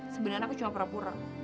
sebenarnya aku cuma pura pura